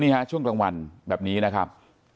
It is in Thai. ช่วงกลางวันแบบนี้นะครับ